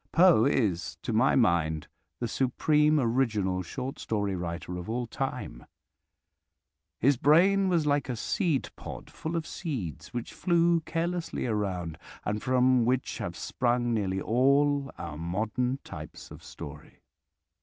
Poe is, to my mind, the supreme original short story writer of all time. His brain was like a seed pod full of seeds which flew carelessly around, and from which have sprung nearly all our modern types of story.